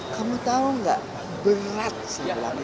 kamu tahu nggak berat sih